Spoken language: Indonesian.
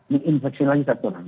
meninfeksi lagi satu orang